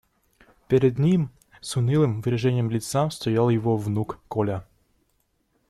Перед ним с унылым выражением лица стоял его внук Коля.